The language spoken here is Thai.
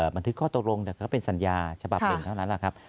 มันถือข้อตรงเป็นสัญญาฉบับหนึ่งเท่านั้นแหละครับ